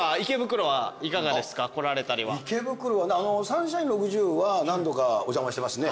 池袋はサンシャイン６０は何度かお邪魔してますね。